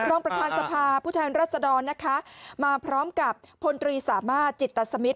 รองประธานสภาผู้แทนรัศดรนะคะมาพร้อมกับพลตรีสามารถจิตสมิตร